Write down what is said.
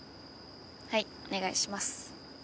はいお願いします。